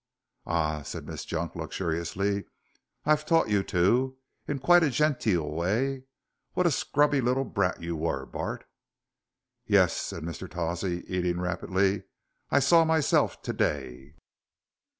"Ah," said Miss Junk, luxuriously, "I've taught you to, in quite a genteel way. What a scrubby little brat you were, Bart!" "Yuss," said Mr. Tawsey, eating rapidly. "I saw myself to day."